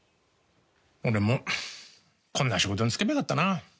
俺もこんな仕事に就けばよかったな。